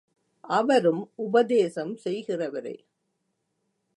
அவரும் உபதேசம் செய்கிறவரே.